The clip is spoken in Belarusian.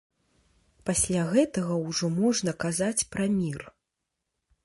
Пасля гэтага ўжо можна казаць пра мір.